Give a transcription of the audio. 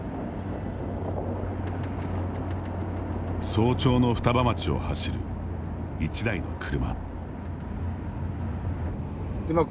早朝の双葉町を走る、１台の車。